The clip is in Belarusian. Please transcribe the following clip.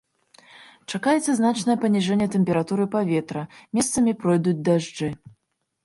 Чакаецца значнае паніжэнне тэмпературы паветра, месцамі пройдуць дажджы.